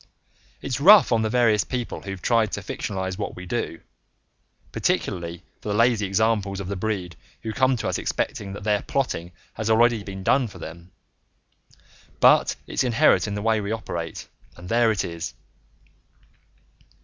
It's rough on the various people who've tried to fictionalize what we do particularly for the lazy examples of the breed, who come to us expecting that their plotting has already been done for them but it's inherent in the way we operate, and there it is.